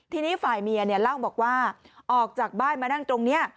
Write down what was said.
ทีนี้ฝ่ายเมียเล่าบอกว่าออกจากบ้านมานั่งตรงนี้